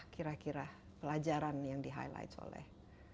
kira kira pelajaran yang di highlight oleh